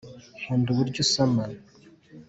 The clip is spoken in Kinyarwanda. nkunda uburyo unsoma.